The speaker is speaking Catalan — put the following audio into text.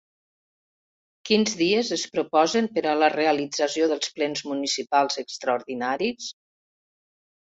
Quins dies es proposen per a la realització dels plens municipals extraordinaris?